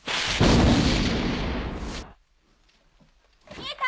見えた！